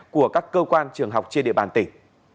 của các cơ quan trường học trên địa bàn tỉnh